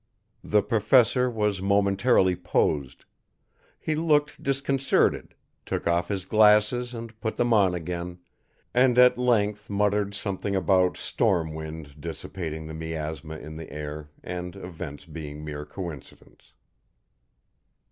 The Professor was momentarily posed. He looked disconcerted, took off his glasses and put them on again, and at length muttered something about storm wind dissipating the miasma in the air and events being mere coincidence.